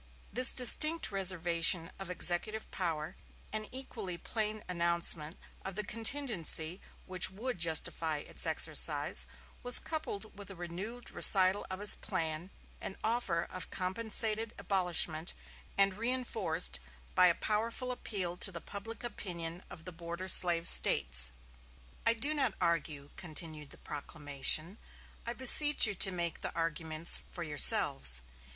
This distinct reservation of executive power, and equally plain announcement of the contingency which would justify its exercise, was coupled with a renewed recital of his plan and offer of compensated abolishment and reinforced by a powerful appeal to the public opinion of the border slave States. "I do not argue," continued the proclamation, "I beseech you to make the arguments for yourselves.